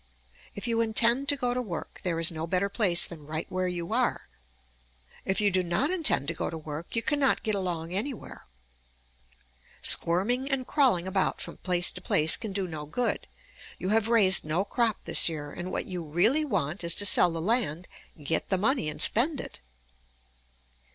If you intend to go to work, there is no better place than right where you are; if you do not intend to go to work, you cannot get along anywhere. Squirming and crawling about from place to place can do no good. You have raised no crop this year, and what you really want is to sell the land, get the money, and spend it.